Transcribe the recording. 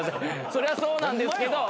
そりゃそうなんですけど。